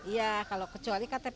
iya kalau kecuali ktp